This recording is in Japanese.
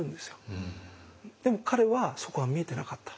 でも彼はそこは見えてなかった。